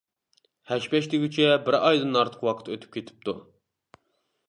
ھەش-پەش دېگۈچە بىر ئايدىن ئارتۇق ۋاقىت ئۆتۈپ كېتىپتۇ.